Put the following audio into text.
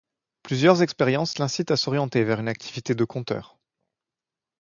Plusieurs expériences l'incitent à s'orienter vers une activité de conteur.